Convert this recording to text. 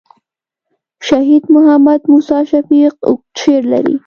شهید محمد موسي شفیق اوږد شعر لري.